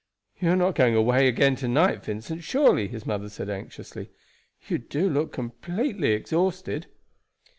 "You are not going away again to night, Vincent, surely?" his mother said anxiously. "You do look completely exhausted."